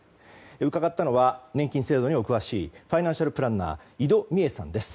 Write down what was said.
伺ったのは、年金制度に詳しいファイナンシャルプランナー井戸美枝さんです。